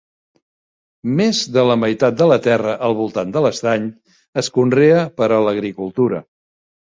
Més de la meitat de la terra al voltant de l'estany es conrea per a l'agricultura.